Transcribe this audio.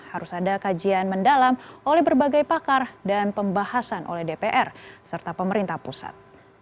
harus ada kajian mendalam oleh berbagai pakar dan pembahasan oleh dpr serta pemerintah pusat